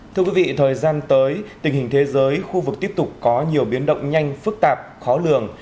thưa quý vị thời gian tới tình hình thế giới khu vực tiếp tục có nhiều biến động nhanh phức tạp khó lường